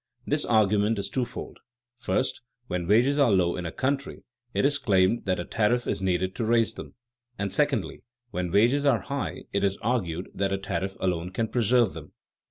_ This argument is two fold: first, when wages are low in a country it is claimed that a tariff is needed to raise them; and, secondly, when wages are high it is argued that a tariff alone can preserve them.